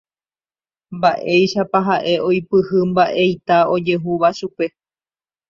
mba'éichapa ha'e oipyhy mba'eita ojehúva chupe